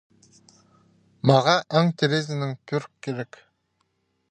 Мағаа аң теерізінең пӧрік кирек.